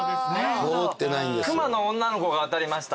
クマの女の子が当たりました。